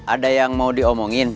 ada yang mau diomongin